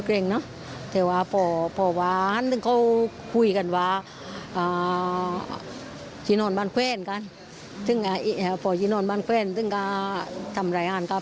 จินอลบ้านเพราะชาติจะสารรายงานน้ำฝนไม่ไม่สบาย